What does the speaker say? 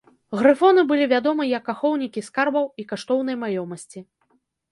Грыфоны былі вядомы як ахоўнікі скарбаў і каштоўнай маёмасці.